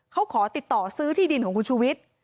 เขาขอติดต่อซื้อที่ดินของคุณชูวิทย์